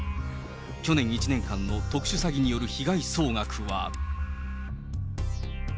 去年１年間の特殊詐欺による被害総額は。